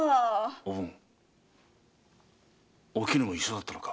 おぶんおきぬも一緒だったのか？